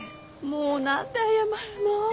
もう何で謝るの。